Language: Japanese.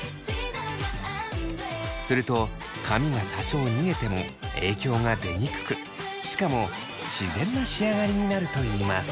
すると髪が多少逃げても影響が出にくくしかも自然な仕上がりになるといいます。